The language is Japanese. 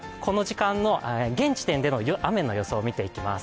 現時点での雨の予想見ていきます。